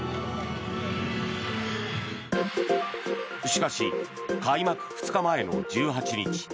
しかし、開幕２日前の１８日